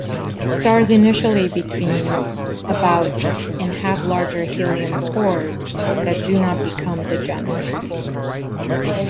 Stars initially between about and have larger helium cores that do not become degenerate.